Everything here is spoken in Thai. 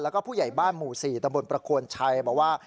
แล้วก็ผู้ใหญ่บ้านหมู่๔ตำบลประโคนชัยบอกว่า